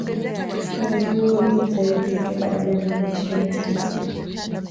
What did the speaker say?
kwa mwezi huo juu zaidi kutoka dola milioni ishirini na tisa